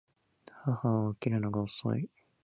母は起きるのが遅い